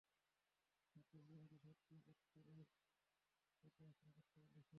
আর, president কি সত্যিই প্রত্যুত্তরে পরিস্থিতি পর্যবেক্ষণ করতে বলেছেন?